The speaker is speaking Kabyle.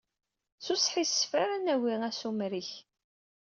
S usḥissef ara nagi asumer-ik.